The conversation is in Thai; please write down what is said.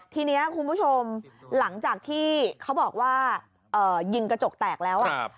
ทีนี้คุณผู้ชมหลังจากที่เขาบอกว่ายิงกระจกแตกแล้ว